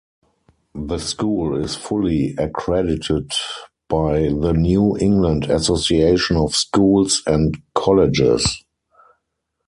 The school is fully accredited by the New England Association of Schools and Colleges.